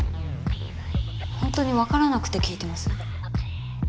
本当にわからなくて聞いてます？